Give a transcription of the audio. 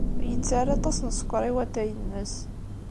Yettarra aṭas n sskeṛ i watay-nnes.